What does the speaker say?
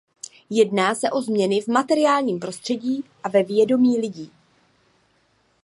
Jedná se o změny v materiálním prostředí a ve vědomí lidí.